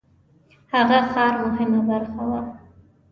هغه ښار مهمه برخه وه.